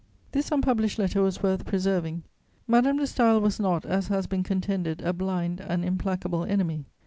This unpublished letter was worth preserving. Madame de Staël was not, as has been contended, a blind and implacable enemy.